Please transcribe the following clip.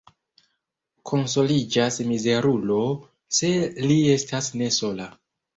Konsoliĝas mizerulo, se li estas ne sola.